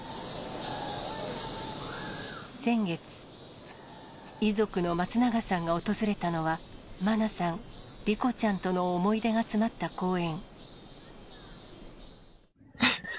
先月、遺族の松永さんが訪れたのは、真菜さん、莉子ちゃんとの思い出が詰まった公園。